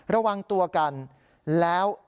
ระวังตัวกันแล้ว